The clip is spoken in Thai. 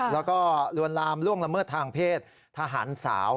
แล้วก็ลวนลามล่วงละเมิดทางเพศทหารสาว